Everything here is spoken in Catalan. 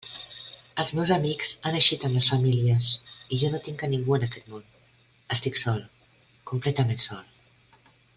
Els meus amics han eixit amb les famílies, i jo no tinc a ningú en aquest món; estic sol..., completament sol.